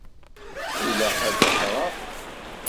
Ilaq ad kkreɣ zik azekka.